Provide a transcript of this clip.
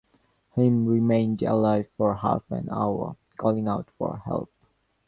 Heym remained alive for half an hour, calling out for help.